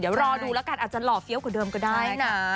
เดี๋ยวรอดูแล้วกันอาจจะหล่อเฟี้ยวกว่าเดิมก็ได้นะ